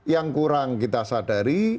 yang kurang kita sadari